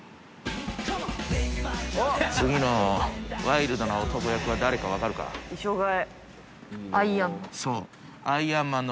次のワイルドな男役は誰か分かるアイアンマン。